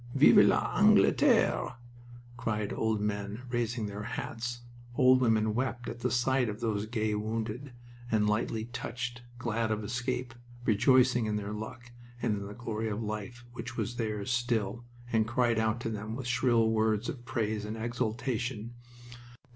"Vive l'Angleterre!" cried old men, raising their hats. Old women wept at the sight of those gay wounded, the lightly touched, glad of escape, rejoicing in their luck and in the glory of life which was theirs still and cried out to them with shrill words of praise and exultation.